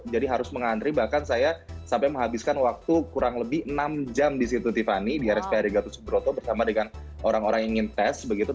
harus mengantri bahkan saya sampai menghabiskan waktu kurang lebih enam jam di situ tiffany di rspard gatot subroto bersama dengan orang orang yang ingin tes begitu